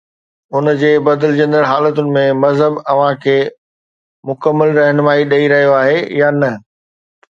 ان جي بدلجندڙ حالتن ۾ مذهب اوهان کي مڪمل رهنمائي ڏئي رهيو آهي يا نه؟